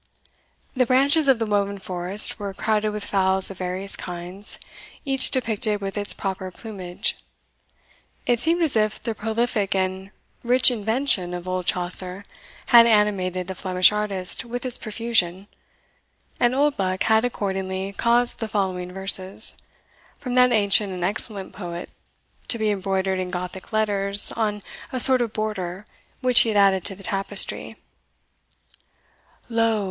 The branches of the woven forest were crowded with fowls of various kinds, each depicted with its proper plumage. It seemed as if the prolific and rich invention of old Chaucer had animated the Flemish artist with its profusion, and Oldbuck had accordingly caused the following verses, from that ancient and excellent poet, to be embroidered in Gothic letters, on a sort of border which he had added to the tapestry: Lo!